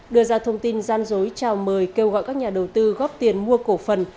đưa ra thông tin gian dối chào mời kêu gọi các nhà đầu tư góp tiền mua cổ phần